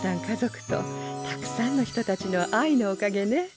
家族とたくさんの人たちの愛のおかげね。